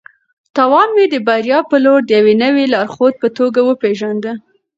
تاوان مې د بریا په لور د یوې نوې لارښود په توګه وپېژانده.